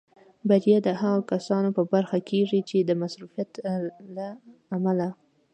بریا د هغو کسانو په برخه کېږي چې د مصروفیت له امله.